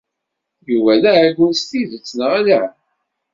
Yuba d aɛeggun s tidet, neɣ ala?